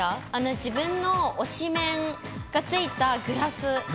自分の推しメンがついたグラス。